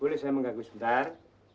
boleh saya mengganggu sebentar